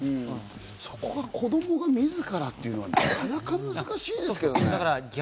そこが子供が自らというのはなかなか難しいですけどね。